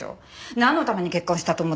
なんのために結婚したと思ってるの？